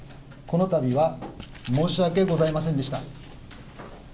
この度は申し訳ございませんでした。